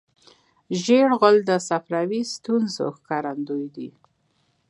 ژېړ غول د صفراوي ستونزو ښکارندوی دی.